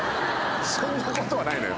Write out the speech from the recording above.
そんなことはないのよ！